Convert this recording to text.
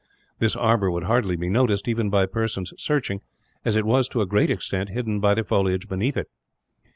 This arbour would hardly be noticed, even by persons searching; as it was, to a great extent, hidden by the foliage beneath it.